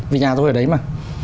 vì nhà tôi ở đấy mà